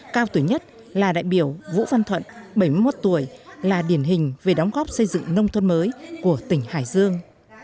cao tuổi nhất là đại biểu vũ văn thuận bảy mươi một tuổi là điển hình về đóng góp xây dựng nông thôn mới của tỉnh hải dương